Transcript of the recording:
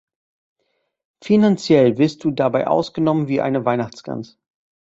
Finanziell wirst du dabei ausgenommen wie eine Weihnachtsgans.